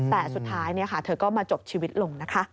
แต่สุดท้ายเธอก็มาจบชีวิตลงนะคะ